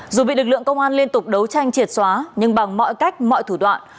dù bị lực lượng công an liên tục đấu tranh triệt xóa nhưng bằng mọi cách mọi thủ đoạn